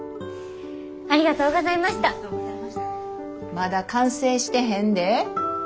まだ完成してへんで。